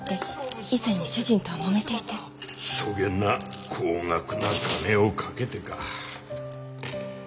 そげな高額な金を賭けてか？